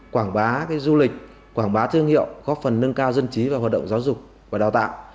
quảng bá du lịch quảng bá thương hiệu góp phần nâng cao dân trí và hoạt động giáo dục và đào tạo